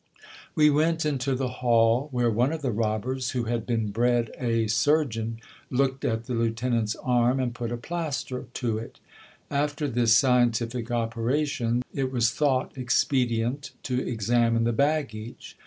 We went into the hall, where one of the robbers, who had been bred a sur geon, looked at the lieutenant's arm and put a plaister to it After this scientific operation, it was thought expedient to examine the baggage.